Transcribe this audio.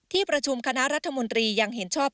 ที่ประชุมคณะรัฐมนตรียังเห็นชอบ